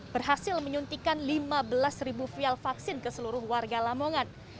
berhasil menyuntikan lima belas vial vaksin ke seluruh warga lamongan